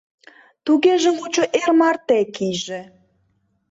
— Тугеже лучо эр марте кийже.